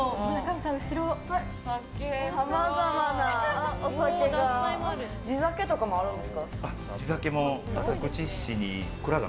さまざまなお酒が。